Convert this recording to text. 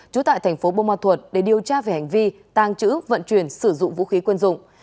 trú tại thành phố bô ma thuật để điều tra về hành vi tàng trữ vận chuyển sử dụng vũ khí quân dụng